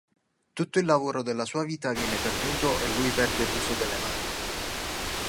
Tutto il lavoro della sua vita viene perduto e lui perde l'uso delle mani.